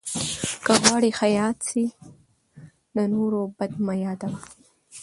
که غواړې ښه یاد سې، د نور بد مه یاد وه.